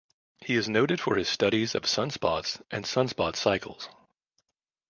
He is noted for his studies of sunspots and sunspot cycles.